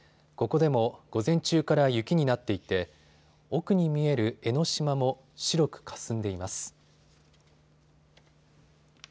ここでも午前中から雪になっていて奥に見える江の島も白くかすんでいます。